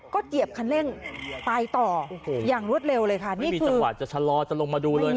ก็เหยียบคันเร่งไปต่อโอ้โหอย่างรวดเร็วเลยค่ะนี่มีจังหวะจะชะลอจะลงมาดูเลยนะ